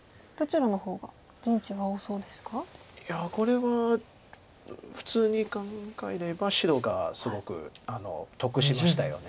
いやこれは普通に考えれば白がすごく得しましたよね。